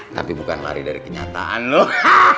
tapi bukan lari dari kenyataan loh